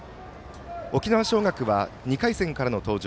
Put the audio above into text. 沖縄尚学は２回戦からの登場。